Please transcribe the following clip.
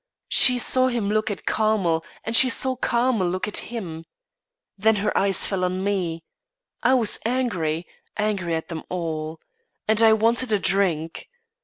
She saw him look at Carmel, and she saw Carmel look at him. Then her eyes fell on me. I was angry; angry at them all, and I wanted a drink.